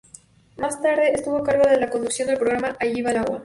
Más tarde estuvo a cargo de la conducción del programa "Ahí va el agua".